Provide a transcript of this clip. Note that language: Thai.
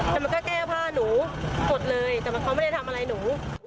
แต่มันก็แก้ผ้าหนูกดเลยแต่เขาไม่ได้ทำอะไรหนู